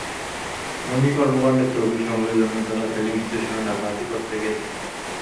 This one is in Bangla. জঙ্গি কর্মকাণ্ডের তহবিল সংগ্রহের জন্য তাঁরা ফিলিং স্টেশনে ডাকাতি করতে গিয়েছিলেন।